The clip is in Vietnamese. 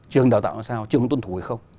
trường đào tạo là sao trường tuân thủ hay không